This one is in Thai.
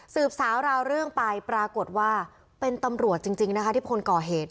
สาวราวเรื่องไปปรากฏว่าเป็นตำรวจจริงนะคะที่คนก่อเหตุ